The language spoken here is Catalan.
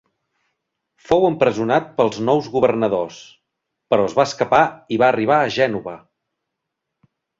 Fou empresonat pels nous governadors, però es va escapar i va arribar a Gènova.